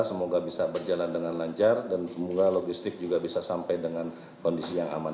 semoga bisa berjalan dengan lancar dan semoga logistik juga bisa sampai dengan kondisi yang aman